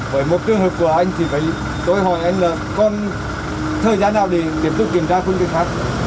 với một trường hợp của anh thì phải câu hỏi anh là còn thời gian nào để tiếp tục kiểm tra phương tiện khác